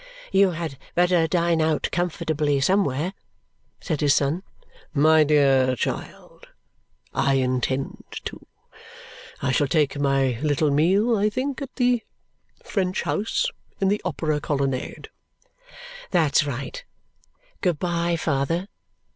"You had better dine out comfortably somewhere," said his son. "My dear child, I intend to. I shall take my little meal, I think, at the French house, in the Opera Colonnade." "That's right. Good bye, father!"